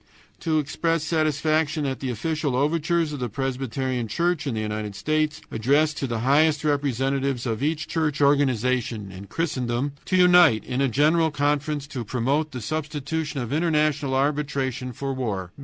To express satisfaction at the official overtures of the Presbyterian Church in the United States addressed to the highest representatives of each church organization in Christendom to unite in a general conference to promote the substitution of international arbitration for war.